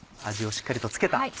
味をしっかりとつけた。